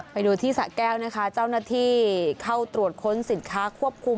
ไปดูที่สะแก้วนะคะเจ้าหน้าที่เข้าตรวจค้นสินค้าควบคุม